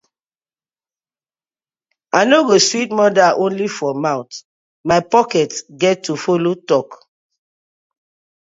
I no go sweet mother only for mouth, my pocket get to follo tok.